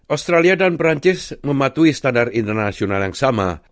australia dan perancis mematuhi standar internasional yang sama